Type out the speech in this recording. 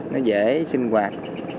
nó dễ sinh hoạt